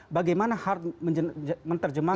bagaimana hart menerjemahkan